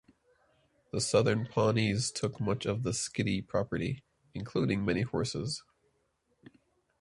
The Southern Pawnees took much of the Skidi property, including many horses.